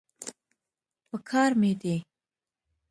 پکار مې دی.